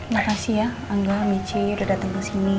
makasih ya angga miece udah dateng kesini